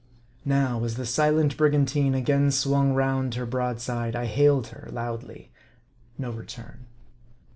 Now, as the silent brigantine again swung round her broadside, I hailed her loudly. No return.